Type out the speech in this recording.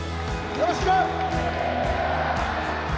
よろしく！